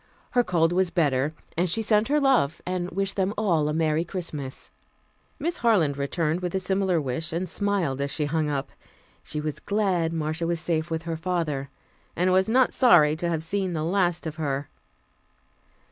Her cold was better, and she sent her love, and wished them all a merry Christmas. Miss Harland returned a similar wish, and smiled as she hung up. She was glad Marcia was safe with her father, and was not sorry to have seen the last of her.